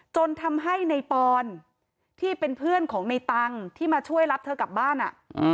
จนทำให้ในปอนที่เป็นเพื่อนของในตังค์ที่มาช่วยรับเธอกลับบ้านอ่ะ